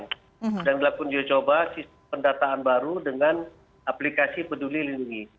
sedang dilakukan uji coba pendataan baru dengan aplikasi peduli lindungi